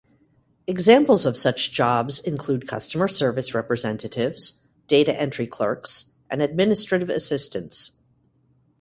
Examples of such jobs include customer service representatives, data entry clerks, and administrative assistants.